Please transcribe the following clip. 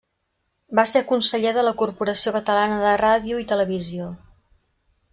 Va ser conseller de la Corporació Catalana de Ràdio i Televisió.